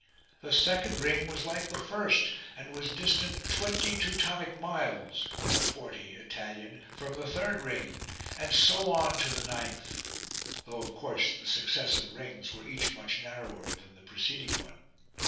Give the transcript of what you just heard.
The second ring was like the first and was distant twenty Teutonic miles (or forty Italian) from the third ring : and so on to the ninth : though of course the successive rings were each much narrower than the preceding one.